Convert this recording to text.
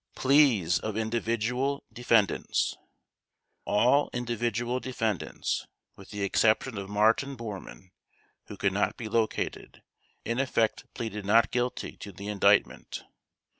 PLEAS OF INDIVIDUAL DEFENDANTS All individual defendants, with the exception of MARTIN BORMANN who could not be located, in effect pleaded not guilty to the Indictment.